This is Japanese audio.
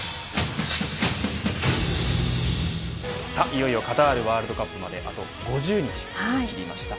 いよいよカタールワールドカップまであと５０日を切りました。